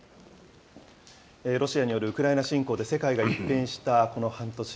ロシアによるウクライナ侵攻で世界が一変したこの半年。